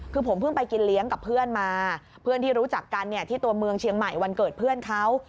คือผมเพิ่งไปกินเลี้ยงกับเพื่อนมาเพื่อนที่รู้จักกันเนี่ยที่ตัวเมืองเชียงใหม่วันเกิดเพื่อนเขา